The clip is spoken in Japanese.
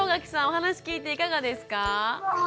お話聞いていかがですか？